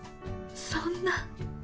そんな。